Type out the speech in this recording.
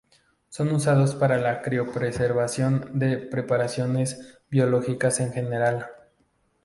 Son usados para la criopreservación de preparaciones biológicas en general.